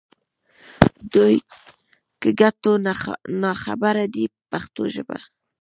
دوی له ګټو یې نا خبره دي په پښتو ژبه.